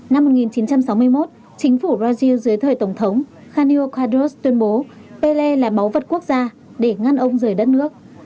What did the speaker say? năm một nghìn chín trăm sáu mươi một chính phủ brazil dưới thời tổng thống khanio kaduros tuyên bố pelle là báu vật quốc gia để ngăn ông rời đất nước